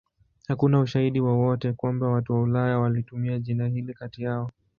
Hakuna ushahidi wowote kwamba watu wa Ulaya walitumia jina hili kati yao.